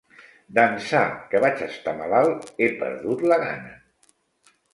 D'ençà que vaig estar malalt, he perdut la gana.